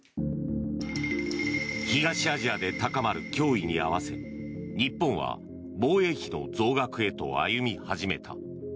東アジアで高まる脅威に合わせ日本は防衛費の増額へと歩み始めた。